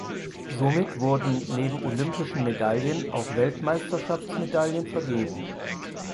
Somit wurden neben olympischen Medaillen auch Weltmeisterschaftsmedaillen vergeben.